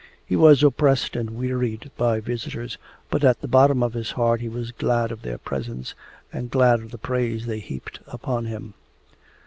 He was oppressed and wearied by visitors, but at the bottom of his heart he was glad of their presence and glad of the praise they heaped upon him.